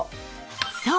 そう！